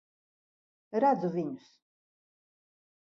Redzu viņus.